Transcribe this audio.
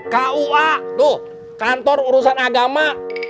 kua tuh kantor urusan agama